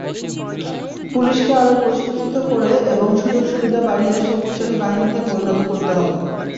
পুলিশকে আরও প্রশিক্ষিত করে এবং সুযোগ-সুবিধা বাড়িয়ে শক্তিশালী বাহিনীতে পরিণত করতে হবে।